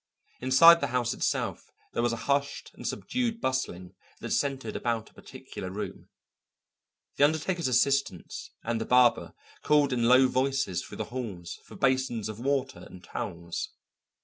Inside the house itself there was a hushed and subdued bustling that centred about a particular room. The undertaker's assistants and the barber called in low voices through the halls for basins of water and towels.